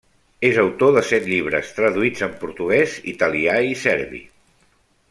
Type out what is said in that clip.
És autor de set llibres, traduïts en portuguès, italià i serbi.